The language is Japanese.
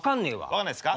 分かんないですか。